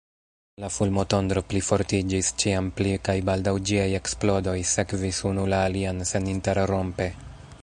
La fulmotondro plifortiĝis ĉiam pli, kaj baldaŭ ĝiaj eksplodoj sekvis unu la alian seninterrompe.